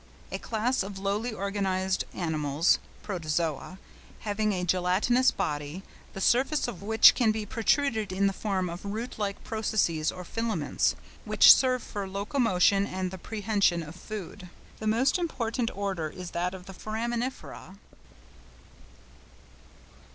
—A class of lowly organised animals (Protozoa), having a gelatinous body, the surface of which can be protruded in the form of root like processes or filaments, which serve for locomotion and the prehension of food. The most important order is that of the Foraminifera.